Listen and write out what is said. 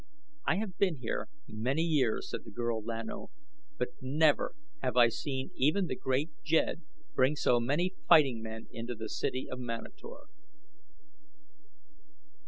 "I have been here many years," said the girl, Lan O; "but never have I seen even The Great Jed bring so many fighting men into the city of Manator."